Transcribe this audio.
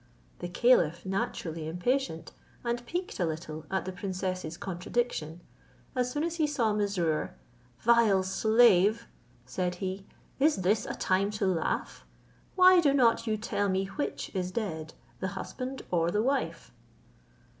The caliph, naturally impatient, and piqued a little at the princess's contradiction, as soon as he saw Mesrour, "Vile slave," said he, "is this a time to laugh? Why do not you tell me which is dead, the husband or the wife?"